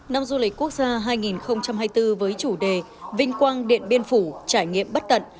năm du lịch quốc gia hai nghìn hai mươi bốn với chủ đề vinh quang điện biên phủ trải nghiệm bất tận